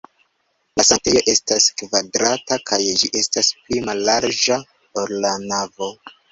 La sanktejo estas kvadrata kaj ĝi estas pli mallarĝa, ol la navo.